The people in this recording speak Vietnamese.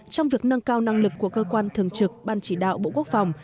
trong việc nâng cao năng lực của cơ quan thường trực ban chỉ đạo bộ quốc phòng